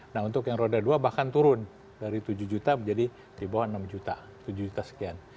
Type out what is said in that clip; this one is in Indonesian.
nah untuk yang roda dua bahkan turun dari tujuh juta menjadi di bawah enam juta tujuh juta sekian